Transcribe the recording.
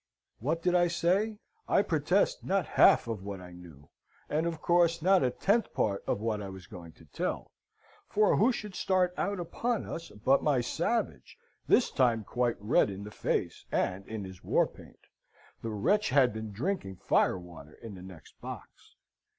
What did I say? I protest not half of what I knew, and of course not a tenth part of what I was going to tell, for who should start out upon us but my savage, this time quite red in the face; and in his war paint. The wretch had been drinking fire water in the next box!